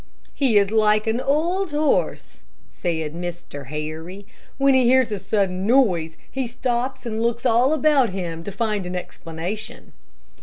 "He is like an old horse," said Mr. Harry. "When he hears a sudden noise, he stops and looks all about him to find an explanation."